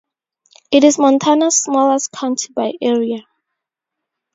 It is Montana's smallest county by area.